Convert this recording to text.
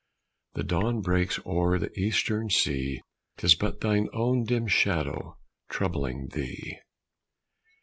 The Dawn breaks o'er the Eastern sea, 'Tis but thine own dim shadow troubling thee."